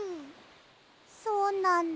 そうなんだ。